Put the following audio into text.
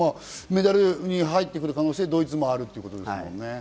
メダルに入ってくる可能性はドイツもあるってことですもんね。